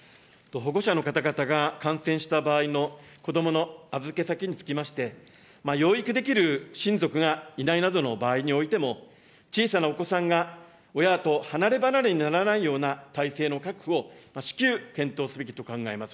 保護者の方々が感染した場合の子どもの預け先につきまして、養育できる親族がいないなどの場合においても、小さなお子さんが親と離れ離れにならないような体制の確保を至急検討すべきと考えます。